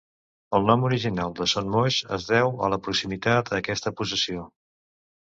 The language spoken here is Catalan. El nom original de Son Moix es deu a la proximitat a aquesta possessió.